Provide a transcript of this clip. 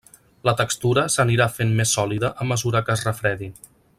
La textura s'anirà fent més sòlida a mesura que es refredi.